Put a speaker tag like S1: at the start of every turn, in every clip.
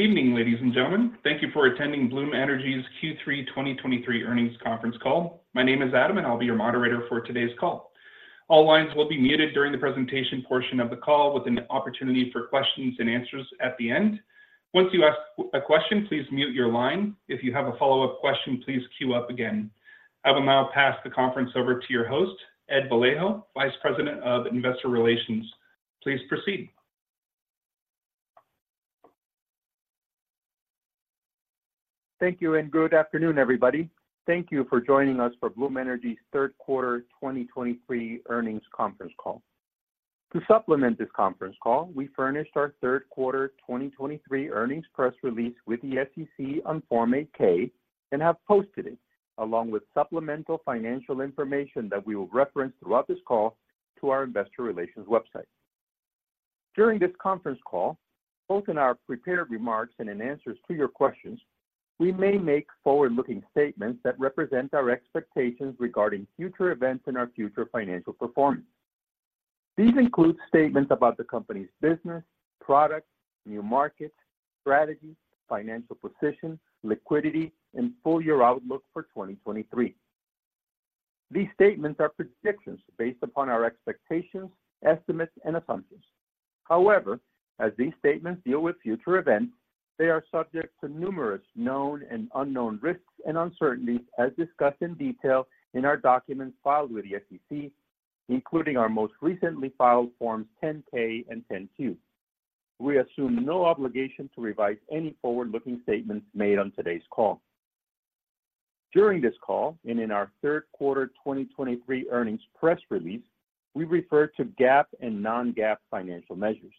S1: Good evening, ladies and gentlemen. Thank you for attending Bloom Energy's Q3 2023 earnings conference call. My name is Adam, and I'll be your moderator for today's call. All lines will be muted during the presentation portion of the call, with an opportunity for questions and answers at the end. Once you ask a question, please mute your line. If you have a follow-up question, please queue up again. I will now pass the conference over to your host, Ed Vallejo, Vice President of Investor Relations. Please proceed.
S2: Thank you, and good afternoon, everybody. Thank you for joining us for Bloom Energy's third quarter 2023 earnings conference call. To supplement this conference call, we furnished our Third Quarter 2023 earnings Press Release with the SEC on Form 8-K, and have posted it, along with supplemental financial information that we will reference throughout this call to our investor relations website. During this Conference Call, both in our prepared remarks and in answers to your questions, we may make forward-looking statements that represent our expectations regarding future events and our future financial performance. These include statements about the company's business, products, new markets, strategy, financial position, liquidity, and full year outlook for 2023. These statements are predictions based upon our expectations, estimates, and assumptions. However, as these statements deal with future events, they are subject to numerous known and unknown risks and uncertainties as discussed in detail in our documents filed with the SEC, including our most recently filed Forms 10-K and 10-Q. We assume no obligation to revise any forward-looking statements made on today's call. During this call and in our Third Quarter 2023 Earnings Press Release, we refer to GAAP and non-GAAP financial measures.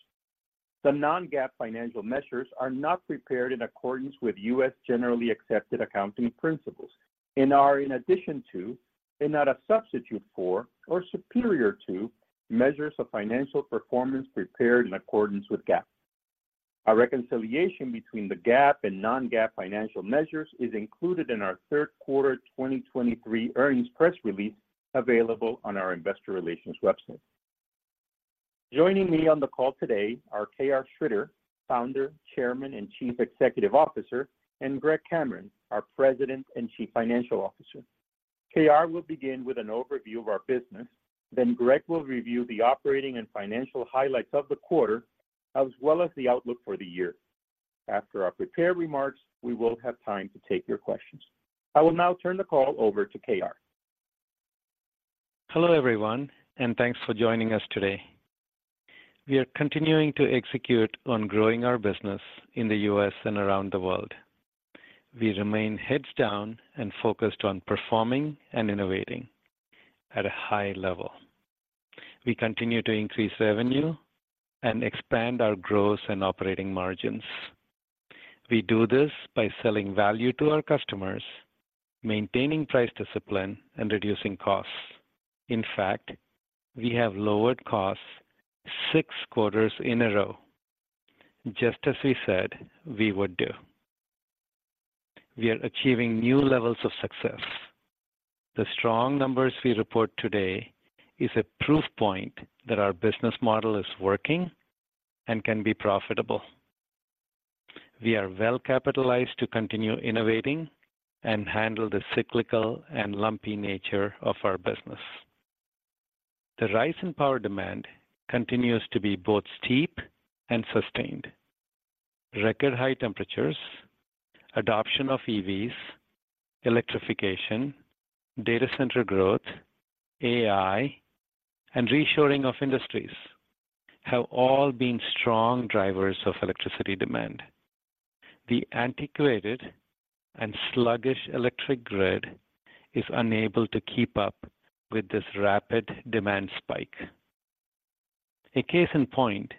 S2: The non-GAAP financial measures are not prepared in accordance with U.S. generally accepted accounting principles and are in addition to, and not a substitute for or superior to, measures of financial performance prepared in accordance with GAAP. A reconciliation between the GAAP and non-GAAP financial measures is included in our third quarter 2023 earnings press release, available on our investor relations website. Joining me on the call today are K.R. Sridhar, Founder, Chairman, and Chief Executive Officer, and Greg Cameron, our President and Chief Financial Officer. K.R. will begin with an overview of our business, then Greg will review the operating and financial highlights of the quarter, as well as the outlook for the year. After our prepared remarks, we will have time to take your questions. I will now turn the call over to K.R.
S3: Hello, everyone, and thanks for joining us today. We are continuing to execute on growing our business in the U.S. and around the world. We remain heads down and focused on performing and innovating at a high level. We continue to increase revenue and expand our gross and operating margins. We do this by selling value to our customers, maintaining price discipline, and reducing costs. In fact, we have lowered costs six quarters in a row, just as we said we would do. We are achieving new levels of success. The strong numbers we report today is a proof point that our business model is working and can be profitable. We are well-capitalized to continue innovating and handle the cyclical and lumpy nature of our business. The rise in power demand continues to be both steep and sustained.
S4: Record high temperatures, adoption of EVs, electrification, data center growth, AI, and reshoring of industries have all been strong drivers of electricity demand. The antiquated and sluggish electric grid is unable to keep up with this rapid demand spike. A case in point,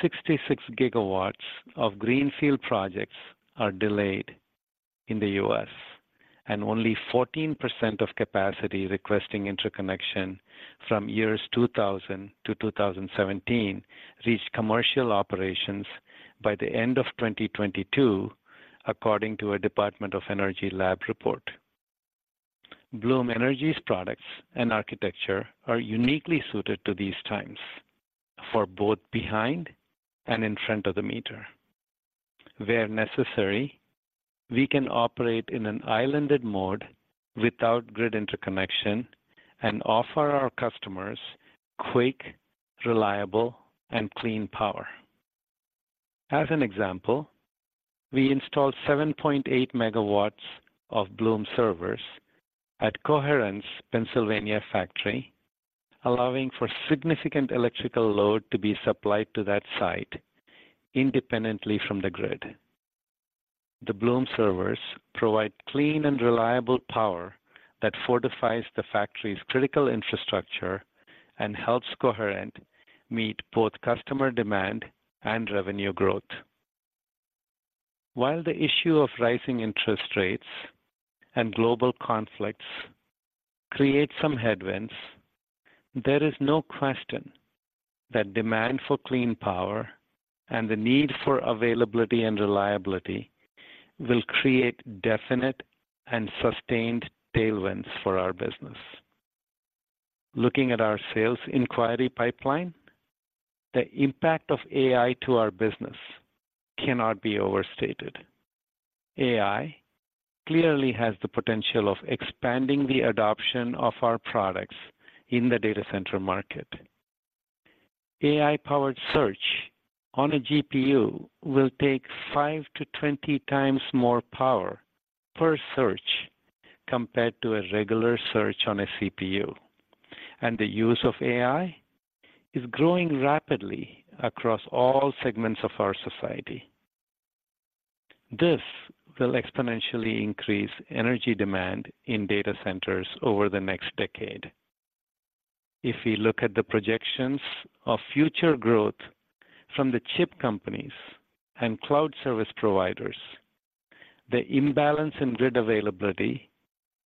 S4: 66 GW of greenfield projects are delayed in the U.S., and only 14% of capacity requesting interconnection from years 2000 to 2017 reached commercial operations by the end of 2022, according to a Department of Energy lab report. Bloom Energy's products and architecture are uniquely suited to these times for both behind and in front of the meter. Where necessary, we can operate in an islanded mode without grid interconnection and offer our customers quick, reliable, and clean power.
S3: As an example, we installed 7.8 MW of Bloom servers at Coherent's Pennsylvania factory, allowing for significant electrical load to be supplied to that site independently from the grid. The Bloom servers provide clean and reliable power that fortifies the factory's critical infrastructure and helps Coherent meet both customer demand and revenue growth. While the issue of rising interest rates and global conflicts create some headwinds, there is no question that demand for clean power and the need for availability and reliability will create definite and sustained tailwinds for our business. Looking at our sales inquiry pipeline, the impact of AI to our business cannot be overstated. AI clearly has the potential of expanding the adoption of our products in the data center market. AI-powered search on a GPU will take 5-20 times more power per search compared to a regular search on a CPU, and the use of AI is growing rapidly across all segments of our society. This will exponentially increase energy demand in data centers over the next decade. If we look at the projections of future growth from the chip companies and cloud service providers, the imbalance in grid availability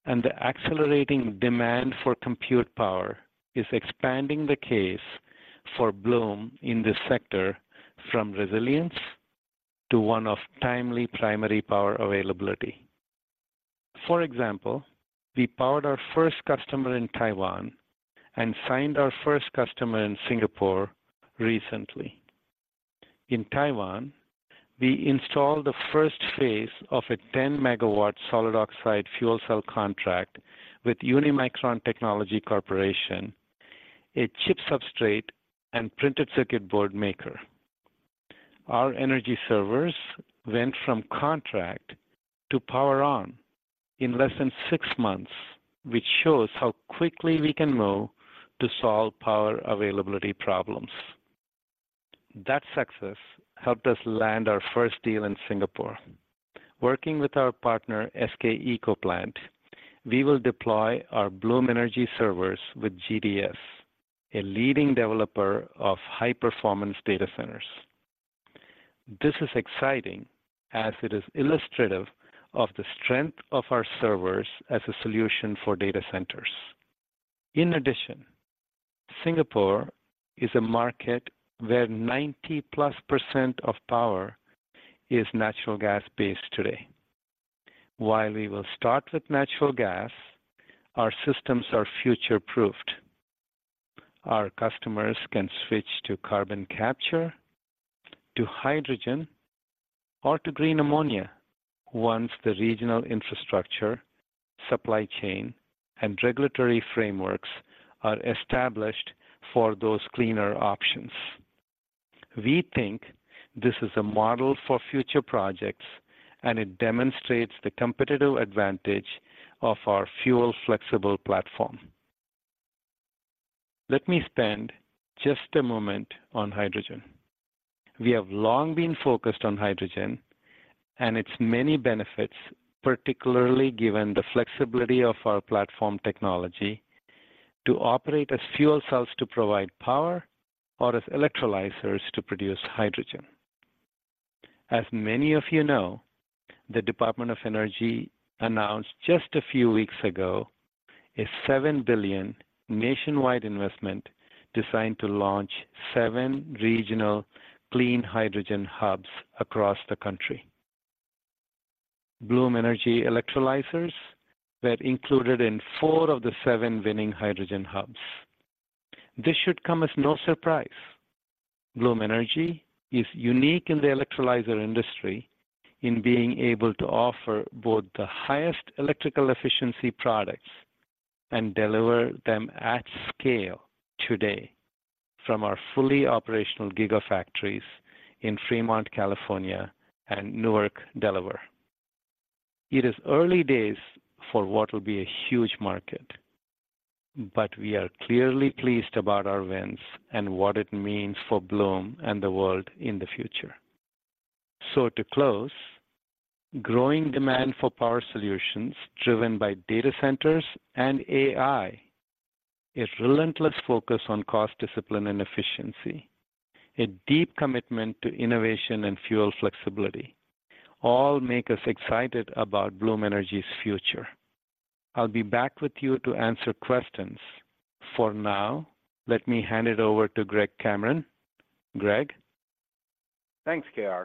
S3: and the accelerating demand for compute power is expanding the case for Bloom in this sector from resilience to one of timely primary power availability. For example, we powered our first customer in Taiwan and signed our first customer in Singapore recently. In Taiwan, we installed the first phase of a 10-megawatt solid oxide fuel cell contract with Unimicron Technology Corporation, a chip substrate and printed circuit board maker. Our energy servers went from contract to power on in less than six months, which shows how quickly we can move to solve power availability problems. That success helped us land our first deal in Singapore. Working with our partner, SK ecoplant, we will deploy our Bloom Energy Servers with GDS, a leading developer of high-performance data centers. This is exciting as it is illustrative of the strength of our servers as a solution for data centers. In addition, Singapore is a market where 90%+ of power is natural gas-based today. While we will start with natural gas, our systems are future-proofed. Our customers can switch to carbon capture, to hydrogen, or to green ammonia once the regional infrastructure, supply chain, and regulatory frameworks are established for those cleaner options. We think this is a model for future projects, and it demonstrates the competitive advantage of our fuel-flexible platform. Let me spend just a moment on hydrogen. We have long been focused on hydrogen and its many benefits, particularly given the flexibility of our platform technology, to operate as fuel cells to provide power, or as electrolyzers to produce hydrogen. As many of you know, the Department of Energy announced just a few weeks ago, a $7 billion nationwide investment designed to launch 7 regional clean hydrogen hubs across the country. Bloom Energy electrolyzers were included in 4 of the 7 winning hydrogen hubs. This should come as no surprise. Bloom Energy is unique in the electrolyzer industry in being able to offer both the highest electrical efficiency products and deliver them at scale today from our fully operational gigafactories in Fremont, California, and Newark, Delaware. It is early days for what will be a huge market, but we are clearly pleased about our wins and what it means for Bloom and the world in the future. To close, growing demand for power solutions driven by data centers and AI, a relentless focus on cost discipline and efficiency, a deep commitment to innovation and fuel flexibility, all make us excited about Bloom Energy's future. I'll be back with you to answer questions. For now, let me hand it over to Greg Cameron. Greg?
S5: Thanks, KR.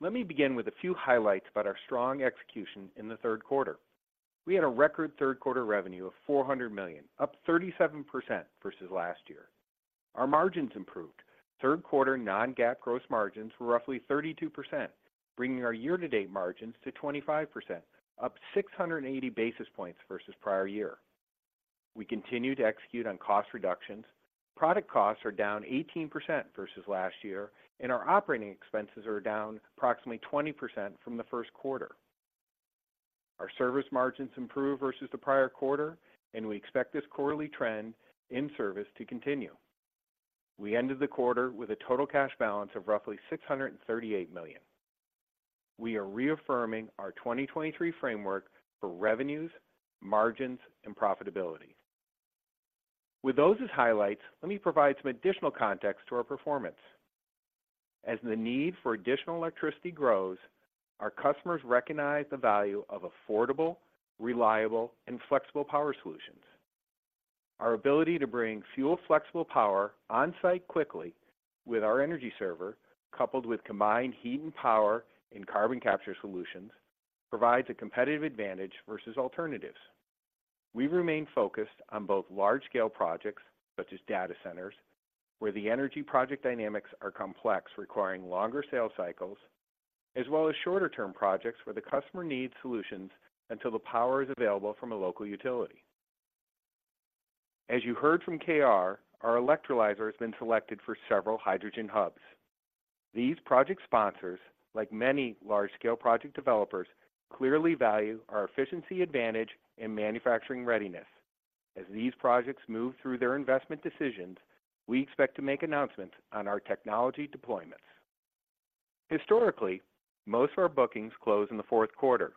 S5: Let me begin with a few highlights about our strong execution in the third quarter. We had a record Third-Quarter revenue of $400 million, up 37% versus last year. Our margins improved. Third-quarter non-GAAP gross margins were roughly 32%, bringing our year-to-date margins to 25%, up 680 basis points versus prior year. We continue to execute on cost reductions. Product costs are down 18% versus last year, and our operating expenses are down approximately 20% from the First Quarter. Our service margins improved versus the prior quarter, and we expect this quarterly trend in service to continue. We ended the quarter with a total cash balance of roughly $638 million. We are reaffirming our 2023 framework for revenues, margins, and profitability. With those as highlights, let me provide some additional context to our performance. As the need for additional electricity grows, our customers recognize the value of affordable, reliable, and flexible power solutions. Our ability to bring fuel-flexible power on-site quickly with our energy server, coupled with combined heat and power and carbon capture solutions, provides a competitive advantage versus alternatives. We remain focused on both large-scale projects, such as data centers, where the energy project dynamics are complex, requiring longer sales cycles, as well as shorter-term projects where the customer needs solutions until the power is available from a local utility. As you heard from KR, our electrolyzer has been selected for several hydrogen hubs. These project sponsors, like many large-scale project developers, clearly value our efficiency advantage and manufacturing readiness. As these projects move through their investment decisions, we expect to make announcements on our technology deployments. Historically, most of our bookings close in the fourth quarter.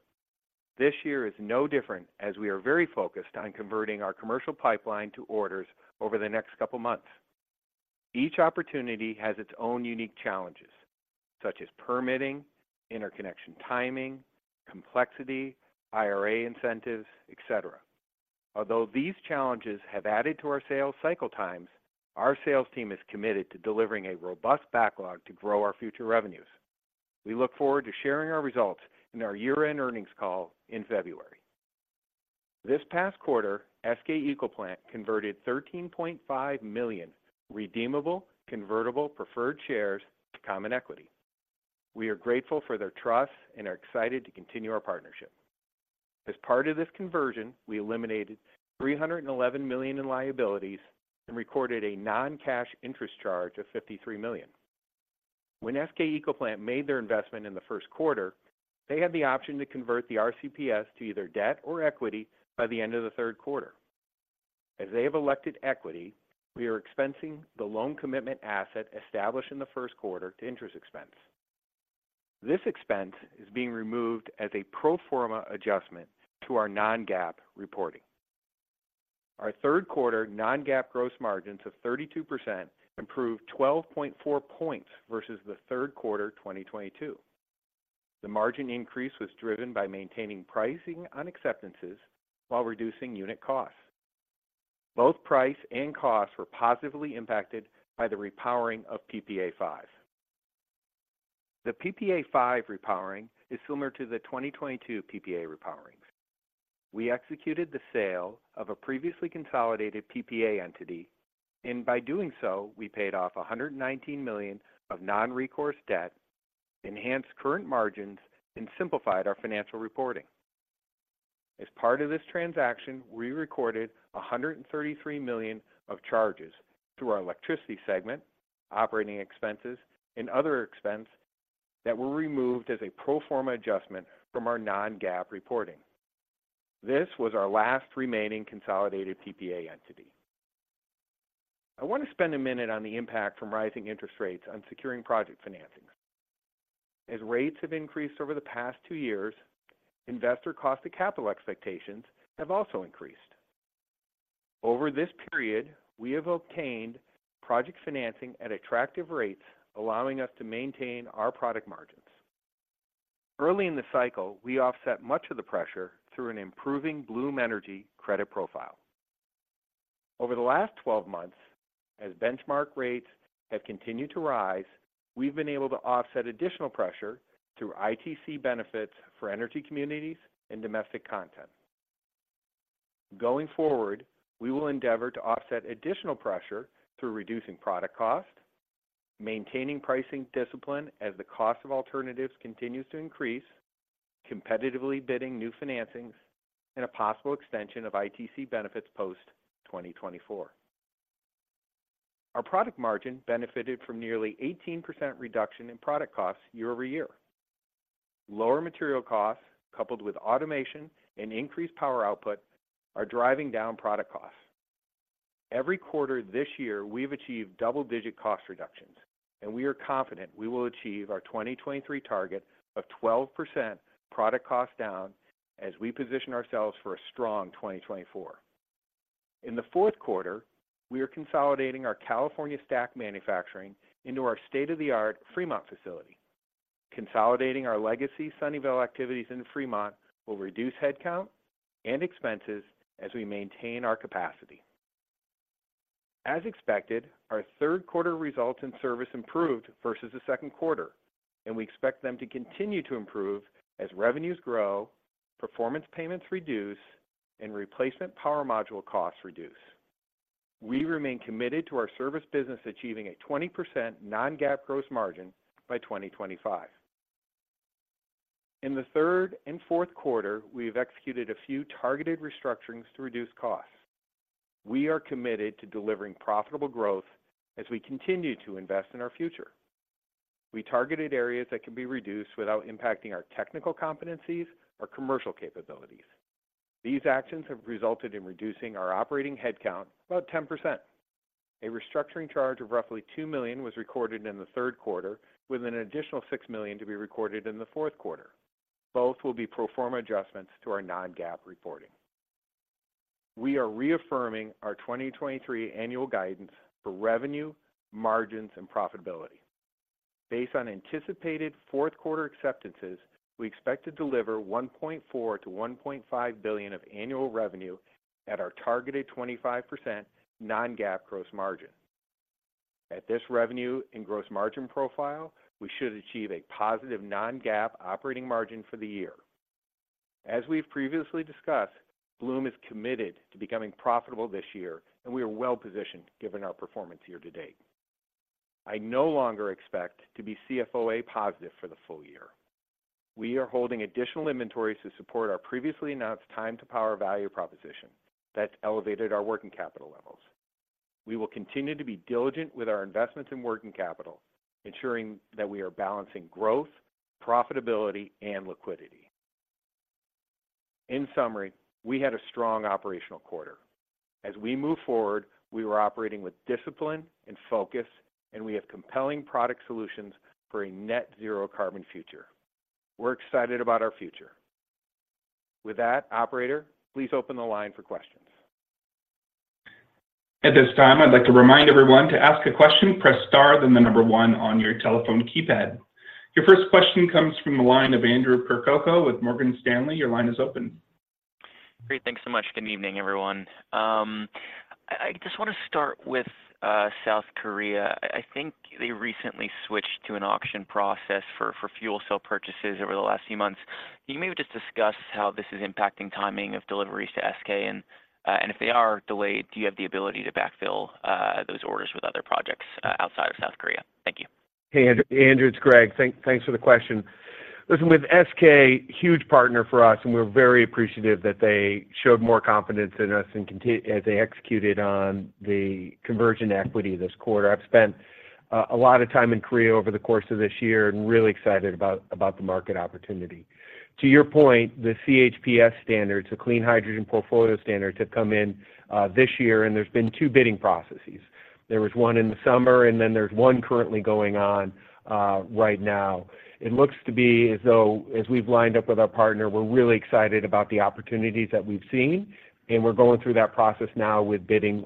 S5: This year is no different, as we are very focused on converting our commercial pipeline to orders over the next couple of months. Each opportunity has its own unique challenges, such as permitting, interconnection timing, complexity, IRA incentives, et cetera. Although these challenges have added to our sales cycle times, our sales team is committed to delivering a robust backlog to grow our future revenues. We look forward to sharing our results in our year-end earnings call in February. This past quarter, SK ecoplant converted 13.5 million redeemable convertible preferred shares to common equity. We are grateful for their trust and are excited to continue our partnership. As part of this conversion, we eliminated $311 million in liabilities and recorded a non-cash interest charge of $53 million. When SK ecoplant made their investment in the first quarter, they had the option to convert the RCPS to either debt or equity by the end of the third quarter. As they have elected equity, we are expensing the loan commitment asset established in the first quarter to interest expense. This expense is being removed as a pro forma adjustment to our non-GAAP reporting. Our third quarter non-GAAP gross margins of 32% improved 12.4 points versus the third quarter, 2022. The margin increase was driven by maintaining pricing on acceptances while reducing unit costs. Both price and costs were positively impacted by the repowering of PPA 5. The PPA 5 repowering is similar to the 2022 PPA repowerings. We executed the sale of a previously consolidated PPA entity, and by doing so, we paid off $119 million of non-recourse debt, enhanced current margins, and simplified our financial reporting. As part of this transaction, we recorded $133 million of charges through our electricity segment, operating expenses, and other expense that were removed as a pro forma adjustment from our non-GAAP reporting. This was our last remaining consolidated PPA entity. I want to spend a minute on the impact from rising interest rates on securing project financings. As rates have increased over the past 2 years, investor cost of capital expectations have also increased. Over this period, we have obtained project financing at attractive rates, allowing us to maintain our product margins. Early in the cycle, we offset much of the pressure through an improving Bloom Energy credit profile. Over the last 12 months, as benchmark rates have continued to rise, we've been able to offset additional pressure through ITC benefits for energy communities and domestic content. Going forward, we will endeavor to offset additional pressure through reducing product cost, maintaining pricing discipline as the cost of alternatives continues to increase, competitively bidding new financings, and a possible extension of ITC benefits post-2024. Our product margin benefited from nearly 18% reduction in product costs year-over-year. Lower material costs, coupled with automation and increased power output, are driving down product costs. Every quarter this year, we've achieved double-digit cost reductions, and we are confident we will achieve our 2023 target of 12% product cost down as we position ourselves for a strong 2024. In the Fourth Quarter, we are consolidating our California stack manufacturing into our state-of-the-art Fremont facility. Consolidating our legacy Sunnyvale activities into Fremont will reduce headcount and expenses as we maintain our capacity. As expected, our third quarter results in service improved versus the second quarter, and we expect them to continue to improve as revenues grow, performance payments reduce, and replacement power module costs reduce. We remain committed to our service business achieving a 20% non-GAAP gross margin by 2025. In the third and fourth quarter, we've executed a few targeted restructurings to reduce costs. We are committed to delivering profitable growth as we continue to invest in our future. We targeted areas that can be reduced without impacting our technical competencies or commercial capabilities. These actions have resulted in reducing our operating headcount about 10%. A restructuring charge of roughly $2 million was recorded in the third quarter, with an additional $6 million to be recorded in the fourth quarter. Both will be pro forma adjustments to our non-GAAP reporting. We are reaffirming our 2023 annual guidance for revenue, margins, and profitability. Based on anticipated fourth quarter acceptances, we expect to deliver $1.4 billion-$1.5 billion of annual revenue at our targeted 25% non-GAAP gross margin. At this revenue and gross margin profile, we should achieve a positive non-GAAP operating margin for the year. As we've previously discussed, Bloom is committed to becoming profitable this year, and we are well positioned given our performance year-to-date. I no longer expect to be CFOA positive for the full year. We are holding additional inventories to support our previously announced time to power value proposition that's elevated our working capital levels. We will continue to be diligent with our investments in working capital, ensuring that we are balancing growth, profitability, and liquidity. In summary, we had a strong operational quarter. As we move forward, we were operating with discipline and focus, and we have compelling product solutions for a net zero carbon future. We're excited about our future. With that, operator, please open the line for questions.
S1: At this time, I'd like to remind everyone, to ask a question, press Star, then the number 1 on your telephone keypad. Your first question comes from the line of Andrew Percoco with Morgan Stanley. Your line is open.
S6: Great. Thanks so much. Good evening, everyone. I just want to start with South Korea. I think they recently switched to an auction process for fuel cell purchases over the last few months. Can you maybe just discuss how this is impacting timing of deliveries to SK? And if they are delayed, do you have the ability to backfill those orders with other projects outside of South Korea? Thank you.
S5: Hey, Andrew. It's Greg. Thanks for the question. Listen, with SK, huge partner for us, and we're very appreciative that they showed more confidence in us and continuing as they executed on the conversion equity this quarter. I've spent a lot of time in Korea over the course of this year and really excited about the market opportunity. To your point, the CHPS standards, the Clean Hydrogen Portfolio Standards, have come in this year, and there's been two bidding processes. There was one in the summer, and then there's one currently going on right now. It looks to be as though, as we've lined up with our partner, we're really excited about the opportunities that we've seen, and we're going through that process now with bidding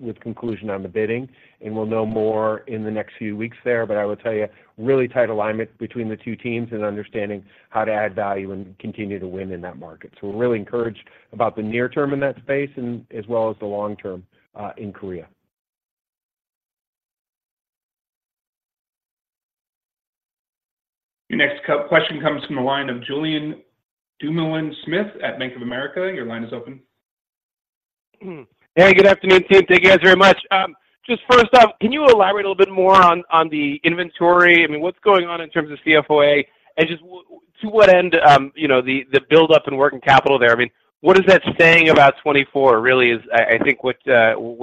S5: with conclusion on the bidding, and we'll know more in the next few weeks there. I will tell you, really tight alignment between the two teams and understanding how to add value and continue to win in that market. We're really encouraged about the near term in that space, and as well as the long term in Korea.
S1: Your next question comes from the line of Julien Dumoulin-Smith at Bank of America. Your line is open.
S7: Hey, good afternoon, team. Thank you guys very much. Just first off, can you elaborate a little bit more on the inventory? I mean, what's going on in terms of CFOA, and just to what end, you know, the buildup in working capital there? I mean, what is that saying about 2024 really is? I think what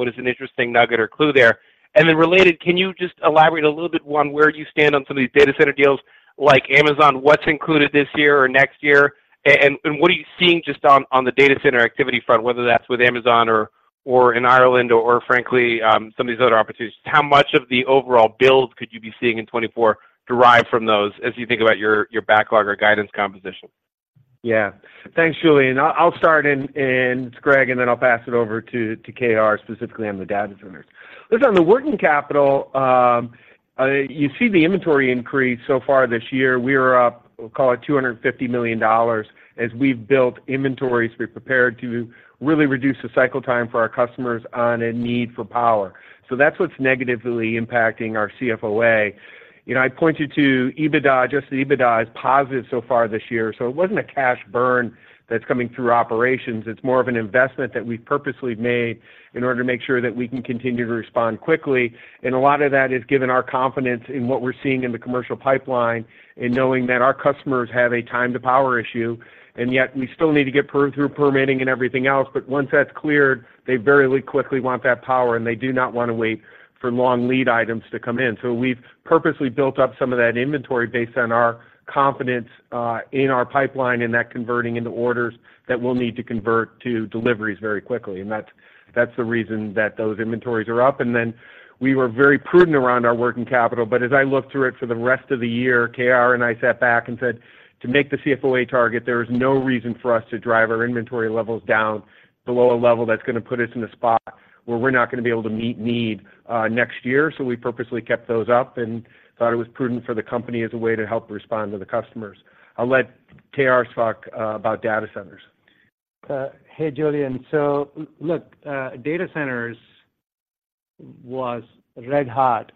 S7: is an interesting nugget or clue there. And then related, can you just elaborate a little bit on where you stand on some of these data center deals like Amazon, what's included this year or next year? What are you seeing just on the data center activity front, whether that's with Amazon or in Ireland, or frankly some of these other opportunities? How much of the overall build could you be seeing in 2024 derived from those as you think about your, your backlog or guidance composition?
S5: Yeah. Thanks, Julien. I'll start. It's Greg, and then I'll pass it over to KR, specifically on the data centers. Listen, on the working capital, you see the inventory increase so far this year, we are up, we'll call it $250 million. As we've built inventories, we've prepared to really reduce the cycle time for our customers on a need for power. That's what's negatively impacting our CFOA. You know, I pointed to EBITDA. Just the EBITDA is positive so far this year, so it wasn't a cash burn that's coming through operations. It's more of an investment that we purposely made in order to make sure that we can continue to respond quickly, and a lot of that is given our confidence in what we're seeing in the commercial pipeline and knowing that our customers have a time to power issue, and yet we still need to get through permitting and everything else. Once that's cleared, they very quickly want that power, and they do not want to wait for long lead items to come in. We've purposely built up some of that inventory based on our confidence in our pipeline and that converting into orders that we'll need to convert to deliveries very quickly, and that's the reason that those inventories are up. Then we were very prudent around our working capital, but as I look through it for the rest of the year, KR and I sat back and said, "To make the CFOA target, there is no reason for us to drive our inventory levels down below a level that's going to put us in a spot where we're not going to be able to meet need next year." We purposely kept those up and thought it was prudent for the company as a way to help respond to the customers. I'll let KR talk about data centers.
S8: Hey, Julian. Look, data centers was red hot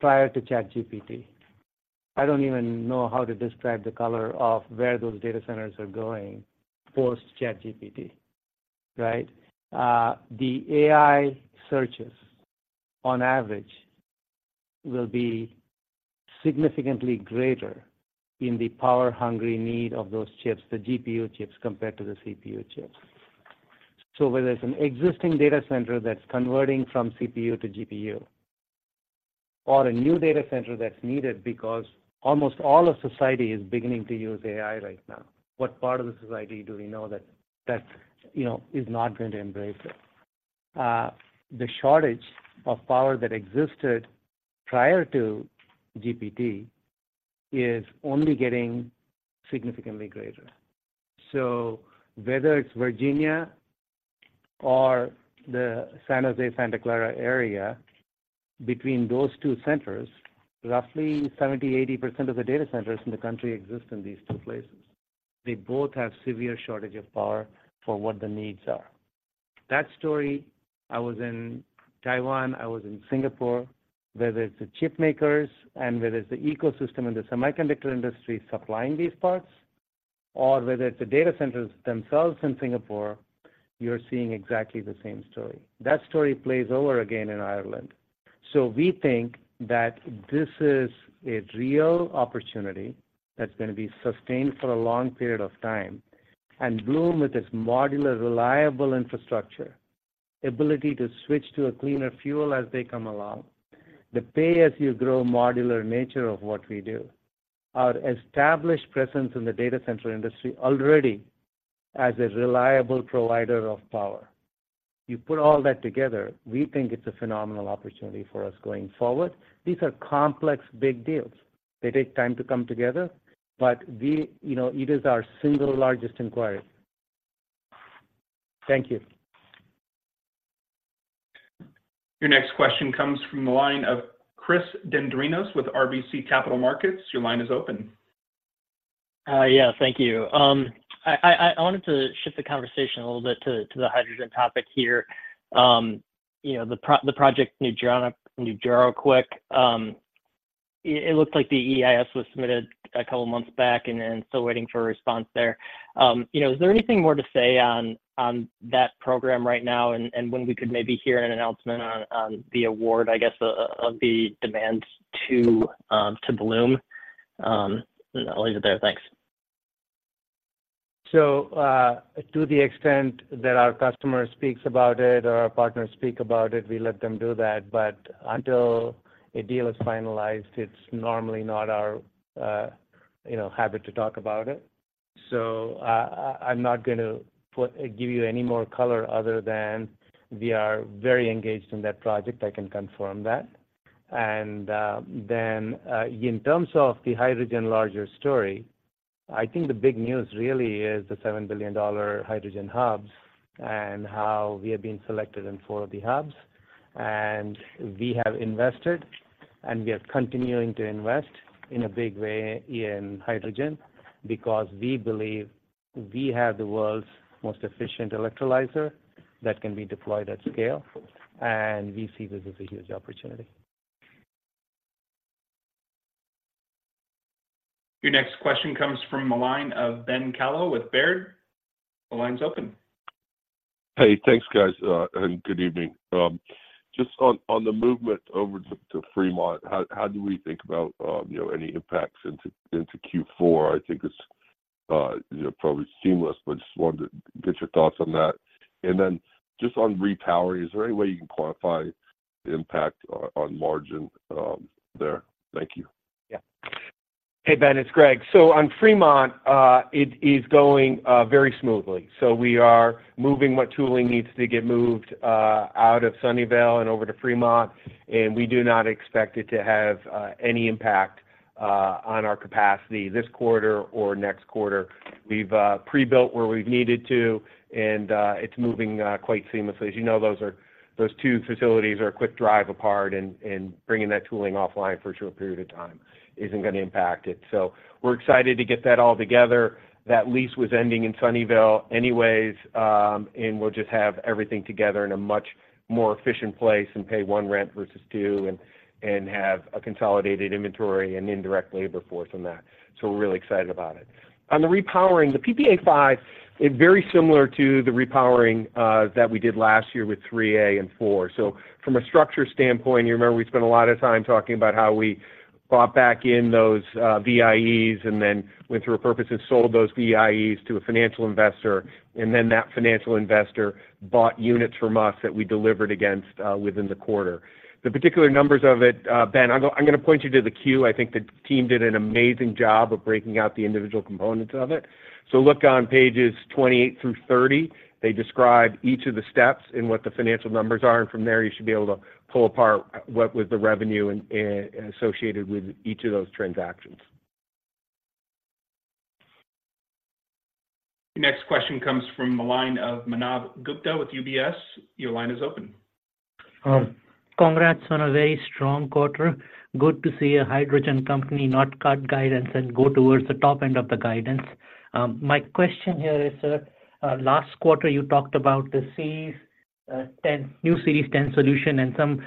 S8: prior to ChatGPT. I don't even know how to describe the color of where those data centers are going post-ChatGPT, right? The AI searches, on average, will be significantly greater in the power-hungry need of those chips, the GPU chips, compared to the CPU chips. Whether it's an existing data center that's converting from CPU to GPU, or a new data center that's needed because almost all of society is beginning to use AI right now, what part of the society do we know that that, you know, is not going to embrace it? The shortage of power that existed prior to GPT is only getting significantly greater. Whether it's Virginia or the San Jose, Santa Clara area, between those two centers, roughly 70%-80% of the data centers in the country exist in these two places. They both have severe shortage of power for what the needs are. That story, I was in Taiwan, I was in Singapore, whether it's the chip makers and whether it's the ecosystem and the semiconductor industry supplying these parts, or whether it's the data centers themselves in Singapore, you're seeing exactly the same story. That story plays over again in Ireland. We think that this is a real opportunity that's going to be sustained for a long period of time, and Bloom, with its modular, reliable infrastructure, ability to switch to a cleaner fuel as they come along, the pay-as-you-grow modular nature of what we do, our established presence in the data center industry already as a reliable provider of power. You put all that together, we think it's a phenomenal opportunity for us going forward. These are complex, big deals. They take time to come together, but we- you know, it is our single largest inquiry. Thank you.
S1: Your next question comes from the line of Chris Dendrinos with RBC Capital Markets. Your line is open.
S9: Yeah, thank you. I wanted to shift the conversation a little bit to the hydrogen topic here. You know, the project, Uncertain. It looks like the EIS was submitted a couple of months back and still waiting for a response there. You know, is there anything more to say on that program right now? When we could maybe hear an announcement on the award, I guess, of the demands to Bloom? I'll leave it there. Thanks.
S8: To the extent that our customer speaks about it or our partners speak about it, we let them do that. Until a deal is finalized, it's normally not our, you know, habit to talk about it. So, I'm not going to give you any more color other than we are very engaged in that project. I can confirm that. Then, in terms of the hydrogen larger story, I think the big news really is the $7 billion hydrogen hubs, and how we have been selected in 4 of the hubs. And we have invested, and we are continuing to invest in a big way in hydrogen, because we believe we have the world's most efficient electrolyzer that can be deployed at scale, and we see this as a huge opportunity.
S1: Your next question comes from the line of Ben Kallo with Baird. The line's open.
S10: Hey, thanks, guys, and good evening. Just on, on the movement over to, to Fremont, how, how do we think about, you know, any impacts into, into Q4? I think it's, you know, probably seamless, but just wanted to get your thoughts on that. Then just on repowering, is there any way you can quantify the impact on, on margin, there? Thank you.
S8: Yeah.
S5: Hey, Ben, it's Greg. On Fremont, it is going very smoothly. We are moving what tooling needs to get moved out of Sunnyvale and over to Fremont, and we do not expect it to have any impact on our capacity this quarter or next quarter. We've pre-built where we've needed to, and it's moving quite seamlessly. As you know, those two facilities are a quick drive apart, and bringing that tooling offline for a short period of time isn't going to impact it. We're excited to get that all together. That lease was ending in Sunnyvale anyways, and we'll just have everything together in a much more efficient place and pay one rent versus two, and have a consolidated inventory and indirect labor force on that. We're really excited about it. On the repowering, the PPA5 is very similar to the repowering that we did last year with 3A and 4. So from a structure standpoint, you remember we spent a lot of time talking about how we bought back in those VIEs and then went through a process and sold those VIEs to a financial investor, and then that financial investor bought units from us that we delivered against within the quarter. The particular numbers of it, Ben, I'm going to point you to the Q. I think the team did an amazing job of breaking out the individual components of it. So look on pages 28-30. They describe each of the steps and what the financial numbers are, and from there, you should be able to pull apart what was the revenue and associated with each of those transactions.
S1: The next question comes from the line of Manav Gupta with UBS. Your line is open.
S11: Congrats on a very strong quarter. Good to see a hydrogen company not cut guidance and go towards the top end of the guidance. My question here is, last quarter, you talked about the Series 10, new Series 10 solution and some,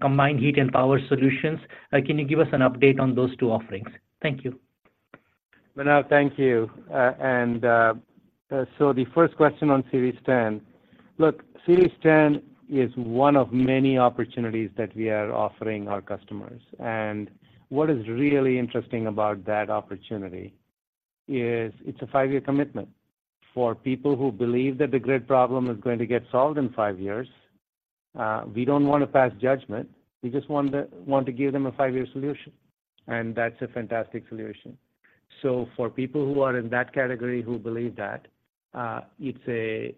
S11: combined heat and power solutions. Can you give us an update on those two offerings? Thank you.
S8: Manav, thank you. The first question on Series 10. Look, Series 10 is one of many opportunities that we are offering our customers, and what is really interesting about that opportunity is it's a five-year commitment. For people who believe that the grid problem is going to get solved in five years, we don't want to pass judgment. We just want to, want to give them a five-year solution, and that's a fantastic solution. So for people who are in that category, who believe that, it's a,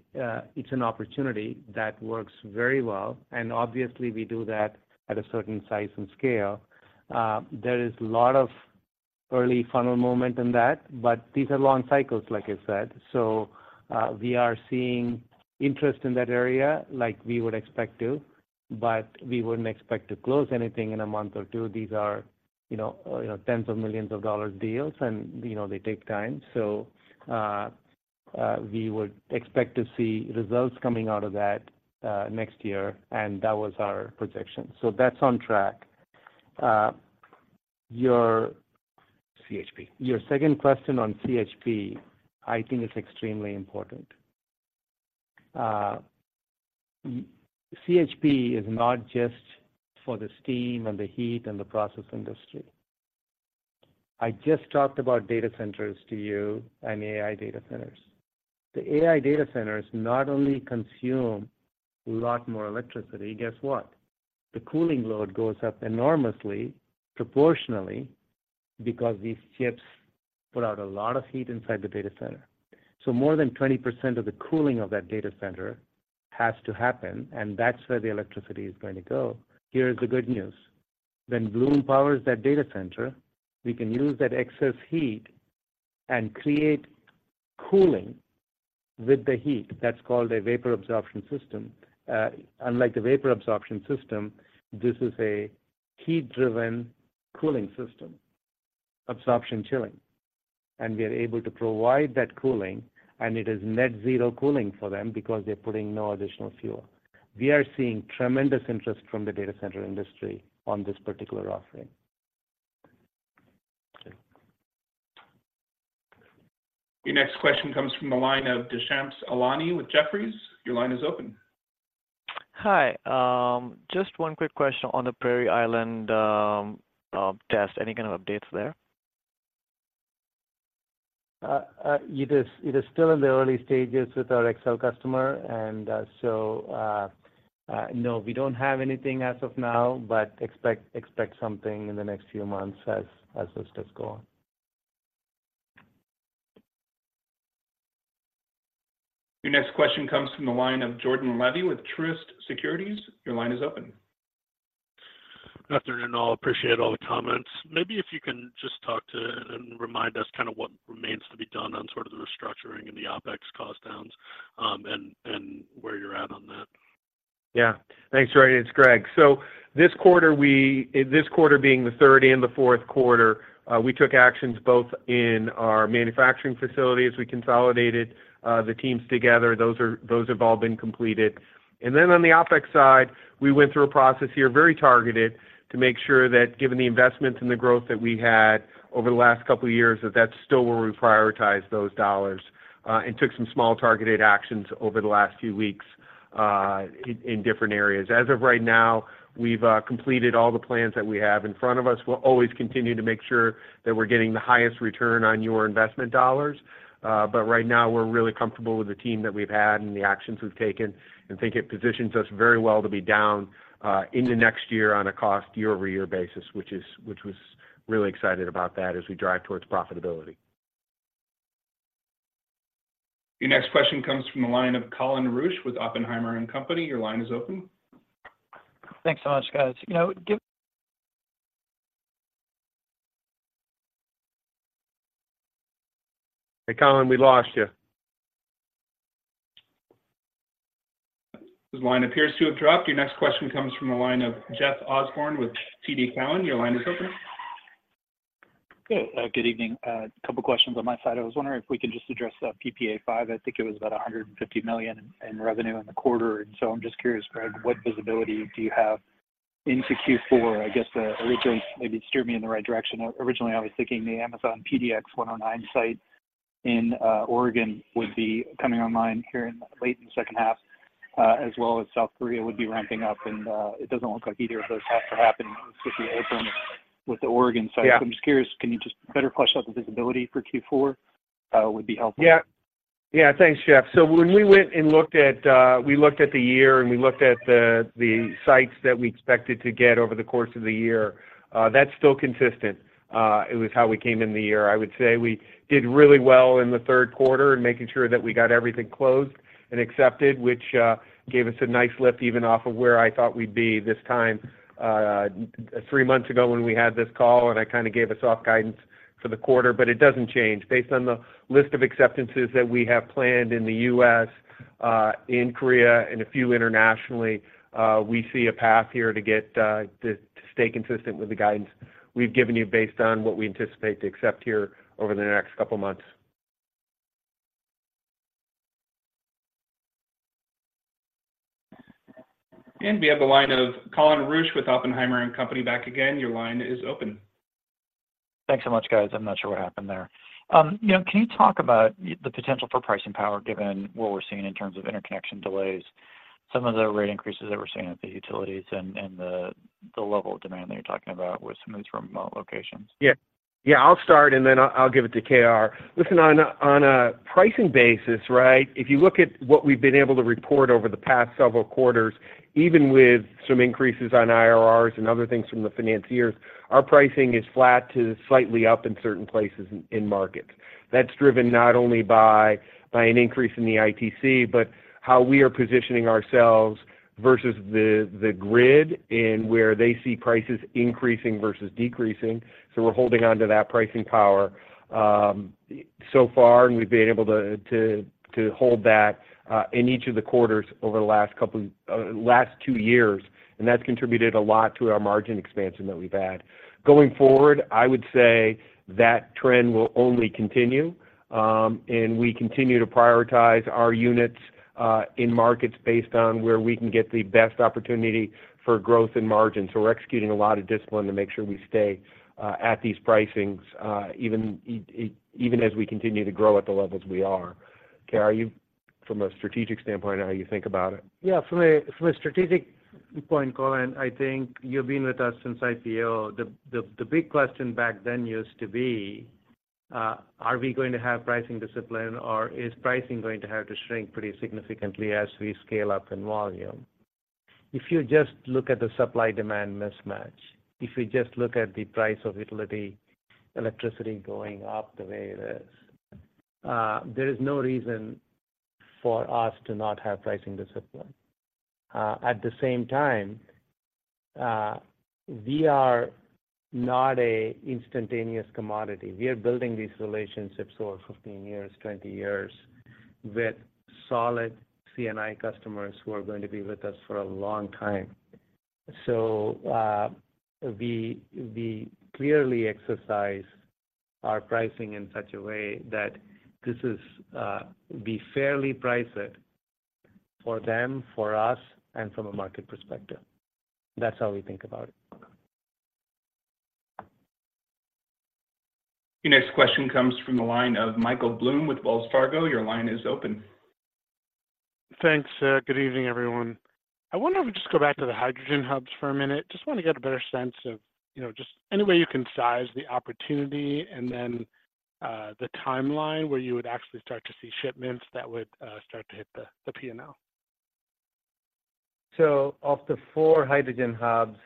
S8: it's an opportunity that works very well, and obviously, we do that at a certain size and scale. There is a lot of early funnel movement in that, but these are long cycles, like I said. So, we are seeing interest in that area like we would expect to.... but we wouldn't expect to close anything in a month or two. These are, you know, you know, tens of millions of dollars deals, and, you know, they take time. So, we would expect to see results coming out of that, next year, and that was our projection. So that's on track. Your-
S5: CHP.
S8: Your second question on CHP, I think is extremely important. CHP is not just for the steam and the heat and the process industry. I just talked about data centers to you and AI data centers. The AI data centers not only consume a lot more electricity, guess what? The cooling load goes up enormously, proportionally, because these chips put out a lot of heat inside the data center. More than 20% of the cooling of that data center has to happen, and that's where the electricity is going to go. Here is the good news: When Bloom powers that data center, we can use that excess heat and create cooling with the heat. That's called a vapor absorption system. Unlike the vapor absorption system, this is a heat-driven cooling system, absorption chilling. We are able to provide that cooling, and it is net zero cooling for them because they're putting no additional fuel. We are seeing tremendous interest from the data center industry on this particular offering.
S5: Okay.
S1: Your next question comes from the line of Dushyant Ailani with Jefferies. Your line is open.
S12: Hi, just one quick question on the Prairie Island test. Any kind of updates there?
S8: It is still in the early stages with our Xcel customer, and so no, we don't have anything as of now, but expect something in the next few months as this does go on.
S1: Your next question comes from the line of Jordan Levy with Truist Securities. Your line is open.
S13: Good afternoon, all. Appreciate all the comments. Maybe if you can just talk to and remind us kind of what remains to be done on sort of the restructuring and the OpEx cost downs, and where you're at on that.
S5: Yeah. Thanks, Jordan. It's Greg. This quarter, this quarter being the third and the fourth quarter, we took actions both in our manufacturing facilities. We consolidated the teams together. Those have all been completed. Then on the OpEx side, we went through a process here, very targeted, to make sure that given the investments and the growth that we had over the last couple of years, that's still where we prioritize those dollars, and took some small, targeted actions over the last few weeks in different areas. As of right now, we've completed all the plans that we have in front of us. We'll always continue to make sure that we're getting the highest return on your investment dollars, but right now, we're really comfortable with the team that we've had and the actions we've taken, and think it positions us very well to be down, in the next year on a cost year-over-year basis, which was really excited about that as we drive towards profitability.
S1: Your next question comes from the line of Colin Rusch with Oppenheimer and Company. Your line is open.
S14: Thanks so much, guys. You know, give-
S5: Hey, Colin, we lost you.
S1: His line appears to have dropped. Your next question comes from the line of Jeff Osborne with TD Cowen. Your line is open.
S15: Good evening. A couple of questions on my side. I was wondering if we could just address the PPA 5. I think it was about $150 million in revenue in the quarter. And so I'm just curious, Greg, what visibility do you have into Q4? I guess, originally, maybe steer me in the right direction. Originally, I was thinking the Amazon PDX 109 site in Oregon would be coming online here in late in the second half, as well as South Korea would be ramping up, and it doesn't look like either of those have to happen with the opening with the Oregon site.
S5: Yeah.
S15: I'm just curious. Can you just better flesh out the visibility for Q4? It would be helpful.
S5: Yeah. Yeah, thanks, Jeff. When we went and looked at, we looked at the year and we looked at the sites that we expected to get over the course of the year, that's still consistent with how we came in the year. I would say we did really well in the third quarter in making sure that we got everything closed and accepted, which gave us a nice lift, even off of where I thought we'd be this time three months ago when we had this call, and I kind of gave a soft guidance for the quarter, but it doesn't change. Based on the list of acceptances that we have planned in the U.S., in Korea, and a few internationally, we see a path here to get to stay consistent with the guidance we've given you based on what we anticipate to accept here over the next couple of months.
S1: We have the line of Colin Rusch with Oppenheimer and Company back again. Your line is open.
S14: Thanks so much, guys. I'm not sure what happened there. You know, can you talk about the potential for pricing power, given what we're seeing in terms of interconnection delays, some of the rate increases that we're seeing at the utilities and the level of demand that you're talking about with some of these remote locations?
S5: Yeah. Yeah, I'll start, and then I'll give it to KR. Listen, on a pricing basis, right, if you look at what we've been able to report over the past several quarters, even with some increases on IRRs and other things from the financiers, our pricing is flat to slightly up in certain places in markets. That's driven not only by an increase in the ITC, but how we are positioning ourselves versus the grid and where they see prices increasing versus decreasing. So we're holding onto that pricing power, so far, and we've been able to hold that in each of the quarters over the last couple of last two years, and that's contributed a lot to our margin expansion that we've had. Going forward, I would say that trend will only continue, and we continue to prioritize our units in markets based on where we can get the best opportunity for growth and margin. We're executing a lot of discipline to make sure we stay at these pricings, even as we continue to grow at the levels we are. KR, from a strategic standpoint, how you think about it?
S8: Yeah. From a strategic point, Colin, I think you've been with us since IPO. The big question back then used to be, are we going to have pricing discipline, or is pricing going to have to shrink pretty significantly as we scale up in volume? If you just look at the supply-demand mismatch, if you just look at the price of utility electricity going up the way it is, there is no reason for us to not have pricing discipline. At the same time, we are not a instantaneous commodity. We are building these relationships over 15 years, 20 years, with solid C&I customers who are going to be with us for a long time. We clearly exercise our pricing in such a way that this is be fairly priced for them, for us, and from a market perspective. That's how we think about it.
S1: Your next question comes from the line of Michael Bloom with Wells Fargo. Your line is open.
S16: Thanks, sir. Good evening, everyone. I wonder if we just go back to the hydrogen hubs for a minute. Just want to get a better sense of, you know, just any way you can size the opportunity, and then, the timeline where you would actually start to see shipments that would start to hit the P&L.
S8: Of the four hydrogen hubs,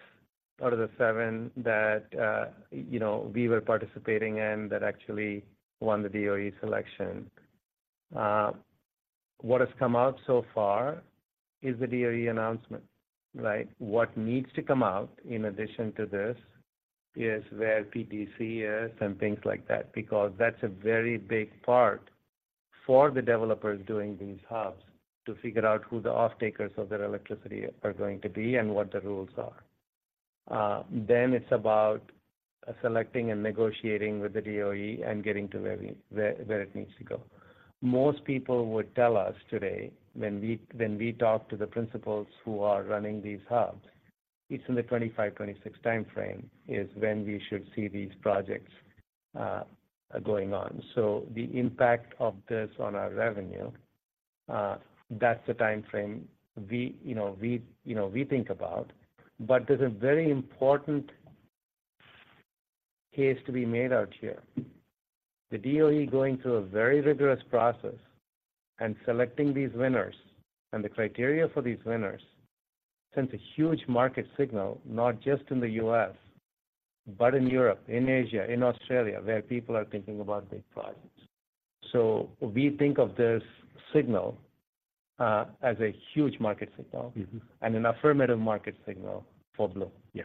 S8: out of the seven that, you know, we were participating in, that actually won the DOE selection. What has come out so far is the DOE announcement, right? What needs to come out in addition to this is where PPC is and things like that, because that's a very big part for the developers doing these hubs to figure out who the off takers of their electricity are going to be and what the rules are. Then it's about selecting and negotiating with the DOE and getting to where it needs to go. Most people would tell us today when we, when we talk to the principals who are running these hubs, it's in the 2025, 2026 time frame is when we should see these projects going on. The impact of this on our revenue, that's the time frame we, you know, we, you know, we think about. There's a very important case to be made out here. The DOE going through a very rigorous process and selecting these winners, and the criteria for these winners, sends a huge market signal, not just in the U.S., but in Europe, in Asia, in Australia, where people are thinking about big projects. We think of this signal, as a huge market signal- and an affirmative market signal for Bloom.
S5: Yeah.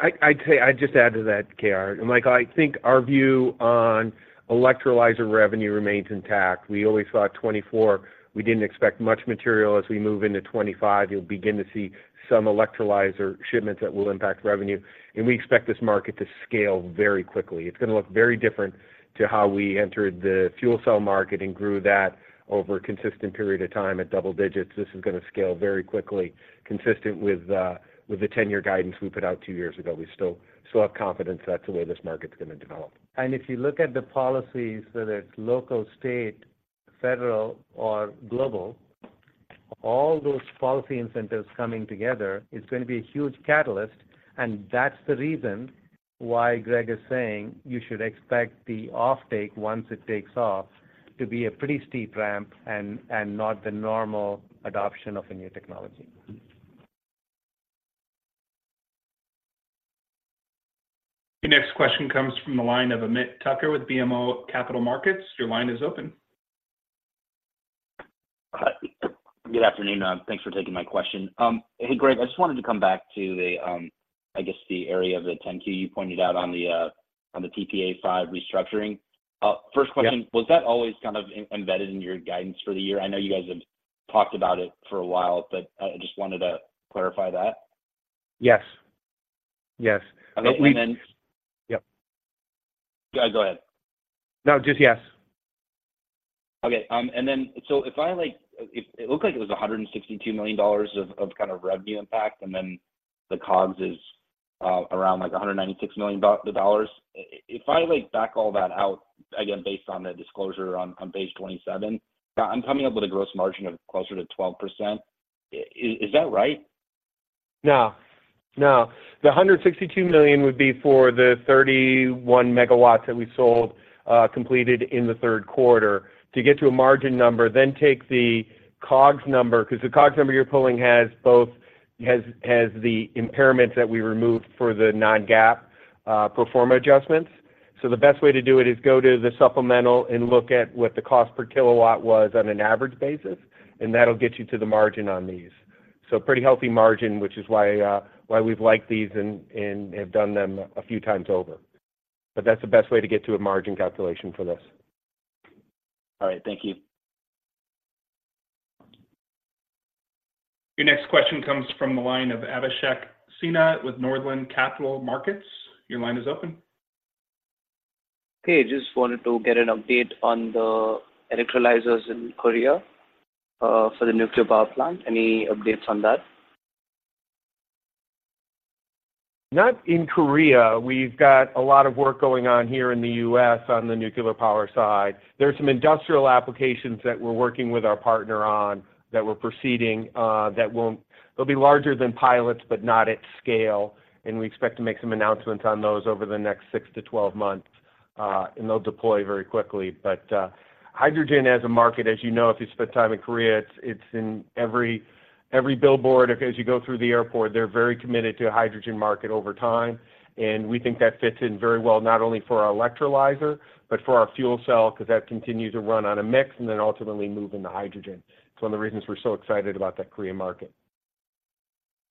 S5: I'd, I'd say... I'd just add to that, KR. And, Michael, I think our view on electrolyzer revenue remains intact. We only saw 2024. We didn't expect much material as we move into 2025. You'll begin to see some electrolyzer shipments that will impact revenue, and we expect this market to scale very quickly. It's going to look very different to how we entered the fuel cell market and grew that over a consistent period of time at double digits. This is going to scale very quickly, consistent with the, with the 10-year guidance we put out 2 years ago. We still, still have confidence that's the way this market's going to develop.
S8: If you look at the policies, whether it's local, state, federal, or global, all those policy incentives coming together is going to be a huge catalyst, and that's the reason why Greg is saying you should expect the offtake, once it takes off, to be a pretty steep ramp and, and not the normal adoption of a new technology.
S1: Your next question comes from the line of Ameet Thakkar with BMO Capital Markets. Your line is open.
S17: Hi. Good afternoon, thanks for taking my question. Hey, Greg, I just wanted to come back to the, I guess the area of the 10-Q you pointed out on the, on the TPA side restructuring. First question-
S5: Yeah.
S17: Was that always kind of embedded in your guidance for the year? I know you guys have talked about it for a while, but I just wanted to clarify that.
S5: Yes. Yes.
S17: Okay. And then-
S5: Yep.
S17: Yeah, go ahead.
S5: No, just yes.
S17: Okay, and then if I like—if it looked like it was $162 million of kind of revenue impact, and then the COGS is around, like, $196 million dollars. If I like back all that out, again, based on the disclosure on page 27, I'm coming up with a gross margin of closer to 12%. Is that right?
S5: No, no. The $162 million would be for the 31 MW that we sold, completed in the third quarter. To get to a margin number, then take the COGS number, because the COGS number you're pulling has both the impairments that we removed for the non-GAAP pro forma adjustments. The best way to do it is go to the supplemental and look at what the cost per kW was on an average basis, and that'll get you to the margin on these. Pretty healthy margin, which is why we've liked these and have done them a few times over. That's the best way to get to a margin calculation for this.
S17: All right, thank you.
S1: Your next question comes from the line of Abhishek Sinha with Northland Capital Markets. Your line is open.
S18: Okay, I just wanted to get an update on the electrolyzers in Korea, for the nuclear power plant. Any updates on that?
S5: Not in Korea. We've got a lot of work going on here in the U.S. on the nuclear power side. There are some industrial applications that we're working with our partner on, that we're proceeding, they'll be larger than pilots, but not at scale, and we expect to make some announcements on those over the next 6-12 months, and they'll deploy very quickly. But, hydrogen as a market, as you know, if you spent time in Korea, it's in every billboard. As you go through the airport, they're very committed to a hydrogen market over time, and we think that fits in very well, not only for our electrolyzer, but for our fuel cell, 'cause that continues to run on a mix and then ultimately move into hydrogen. It's one of the reasons we're so excited about that Korean market.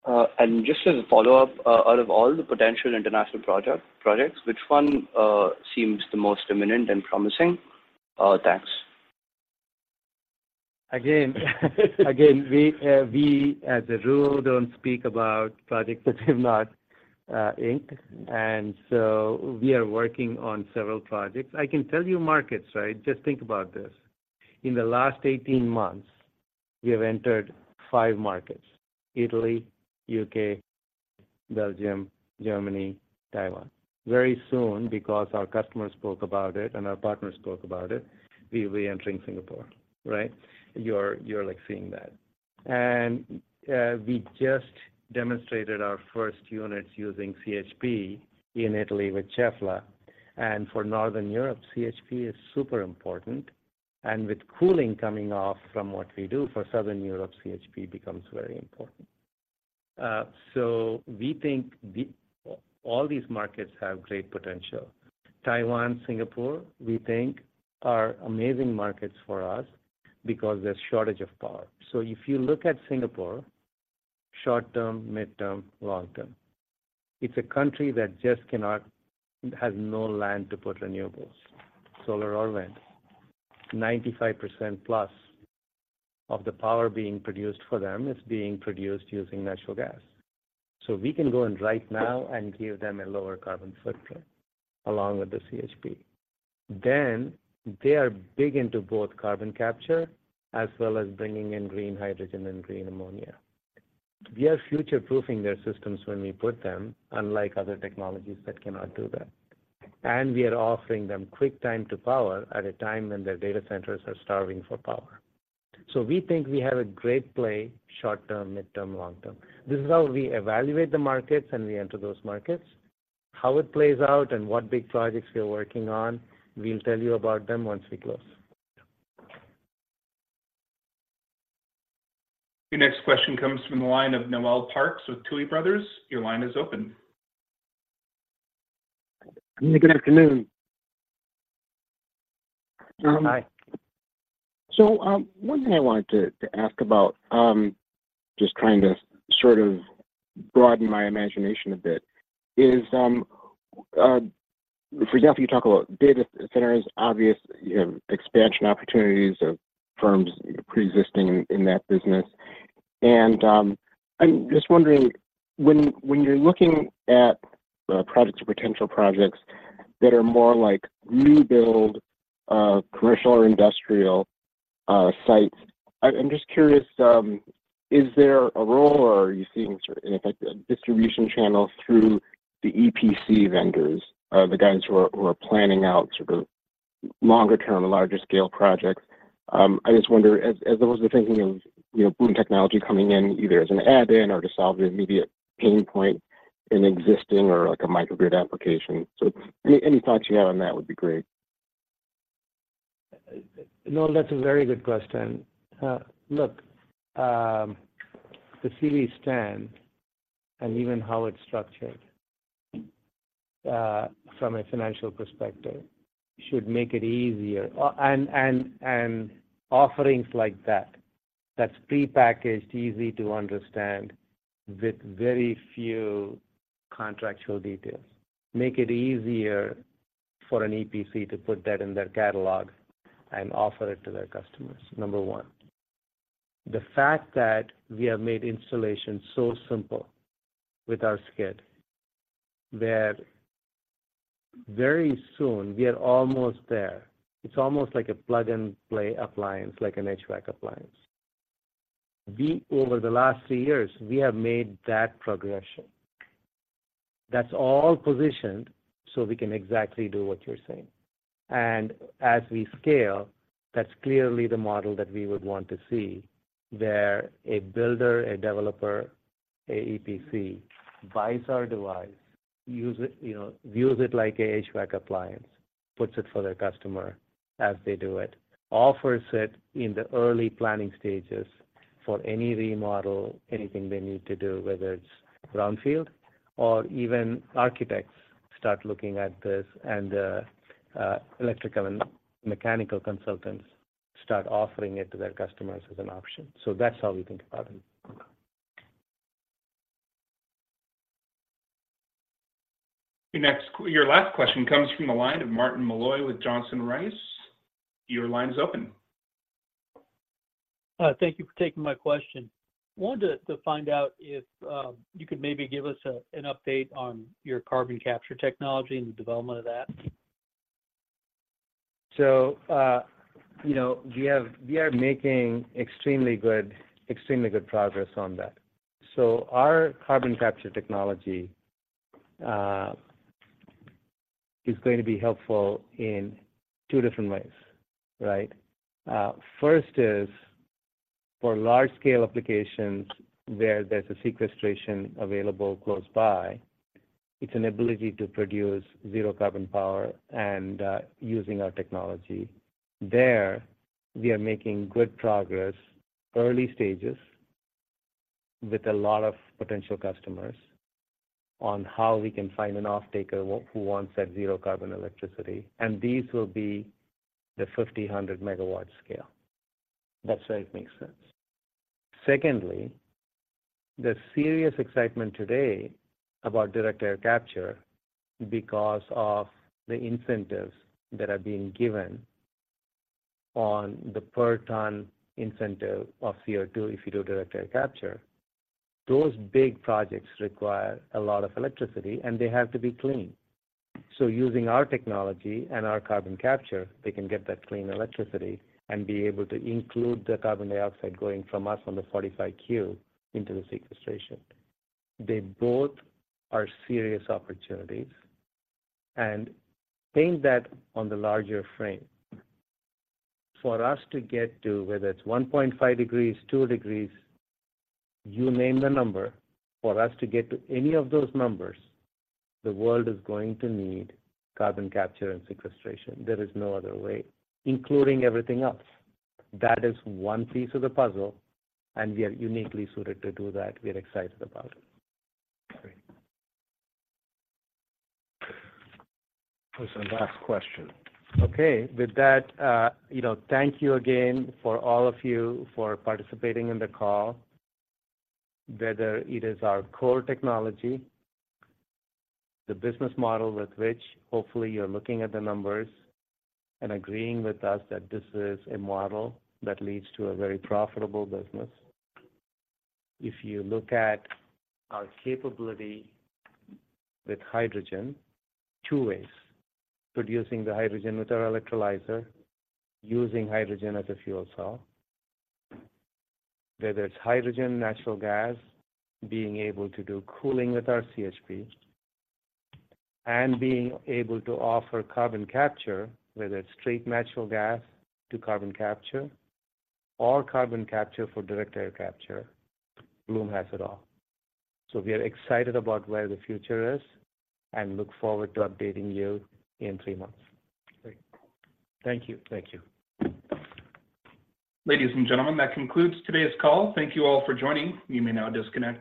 S18: Just as a follow-up, out of all the potential international projects, which one seems the most imminent and promising? Thanks.
S8: Again, we as a rule don't speak about projects that we have not inked, and so we are working on several projects. I can tell you markets, right? Just think about this. In the last 18 months, we have entered five markets: Italy, UK, Belgium, Germany, Taiwan. Very soon, because our customers spoke about it and our partners spoke about it, we'll be entering Singapore, right? You're like seeing that. We just demonstrated our first units using CHP in Italy with Schaeffler. For Northern Europe, CHP is super important, and with cooling coming off from what we do for Southern Europe, CHP becomes very important. We think all these markets have great potential. Taiwan, Singapore, we think are amazing markets for us because there's shortage of power. If you look at Singapore, short term, mid-term, long term, it's a country that just cannot, has no land to put renewables, solar or wind. 95% plus of the power being produced for them is being produced using natural gas. We can go in right now and give them a lower carbon footprint along with the CHP. Then, they are big into both carbon capture as well as bringing in green hydrogen and green ammonia. We are future-proofing their systems when we put them, unlike other technologies that cannot do that. We are offering them quick time to power at a time when their data centers are starving for power. So we think we have a great play, short term, mid-term, long term. This is how we evaluate the markets, and we enter those markets. How it plays out and what big projects we are working on, we'll tell you about them once we close.
S1: Your next question comes from the line of Noel Parks with Tuohy Brothers. Your line is open.
S19: Good afternoon.
S8: Hi.
S19: One thing I wanted to ask about, just trying to sort of broaden my imagination a bit, is, for example, you talk about data centers, obvious, you know, expansion opportunities of firms preexisting in that business. I'm just wondering, when you're looking at projects or potential projects that are more like new build, commercial or industrial sites, I'm just curious, is there a role or are you seeing, in effect, a distribution channel through the EPC vendors, the guys who are planning out sort of longer-term, larger-scale projects? I just wonder, as opposed to thinking of, you know, Bloom technology coming in, either as an add-in or to solve the immediate pain point in existing or like a microgrid application. Any thoughts you have on that would be great.
S8: No, that's a very good question. Look, the Series 10 and even how it's structured, from a financial perspective, should make it easier. Offerings like that, that's prepackaged, easy to understand, with very few contractual details, make it easier for an EPC to put that in their catalog and offer it to their customers, number one. The fact that we have made installation so simple with our skid, that very soon we are almost there. It's almost like a plug-and-play appliance, like an HVAC appliance. Over the last three years, we have made that progression. That's all positioned so we can exactly do what you're saying. And as we scale, that's clearly the model that we would want to see, where a builder, a developer, a EPC, buys our device, use it, you know, views it like a HVAC appliance.... puts it for their customer as they do it, offers it in the early planning stages for any remodel, anything they need to do, whether it's brownfield or even architects start looking at this, and electrical and mechanical consultants start offering it to their customers as an option. So that's how we think about it.
S1: Your last question comes from the line of Martin Malloy with Johnson Rice. Your line is open.
S4: Thank you for taking my question. I wanted to find out if you could maybe give us an update on your Carbon Capture technology and the development of that.
S8: We are making extremely good, extremely good progress on that. Our carbon capture technology is going to be helpful in two different ways, right? First is, for large scale applications, where there's a sequestration available close by, it's an ability to produce zero carbon power and, using our technology. There, we are making good progress, early stages, with a lot of potential customers on how we can find an offtaker who wants that zero carbon electricity, and these will be the 50-100 MW scale. That's where it makes sense. Secondly, the serious excitement today about direct air capture because of the incentives that are being given on the per ton incentive of CO2 if you do direct air capture. Those big projects require a lot of electricity, and they have to be clean. Using our technology and our carbon capture, they can get that clean electricity and be able to include the carbon dioxide going from us on the 45Q into the sequestration. They both are serious opportunities, and paint that on the larger frame. For us to get to, whether it's 1.5 degrees, 2 degrees, you name the number. For us to get to any of those numbers, the world is going to need carbon capture and sequestration. There is no other way, including everything else. That is one piece of the puzzle, and we are uniquely suited to do that. We are excited about it.
S1: Great. That was our last question.
S8: Okay. With that, you know, thank you again for all of you for participating in the call. Whether it is our core technology, the business model with which hopefully you're looking at the numbers and agreeing with us that this is a model that leads to a very profitable business. If you look at our capability with hydrogen, two ways: producing the hydrogen with our electrolyzer, using hydrogen as a fuel cell. Whether it's hydrogen, natural gas, being able to do cooling with our CHP, and being able to offer carbon capture, whether it's straight natural gas to carbon capture or carbon capture for direct air capture, Bloom has it all. So we are excited about where the future is and look forward to updating you in three months.
S1: Great.
S8: Thank you. Thank you.
S1: Ladies and gentlemen, that concludes today's call. Thank you all for joining. You may now disconnect.